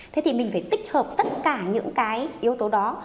thế thì mình phải tích hợp tất cả những cái yếu tố đó